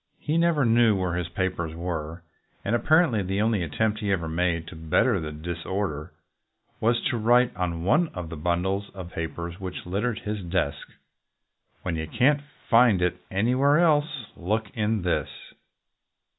He never knew where his papers were, and apparently the only attempt he ever made to bet ter the disorder was to write on one of the bun dles of papers which littered his desk, "When you can't find It anywhere else, look in this."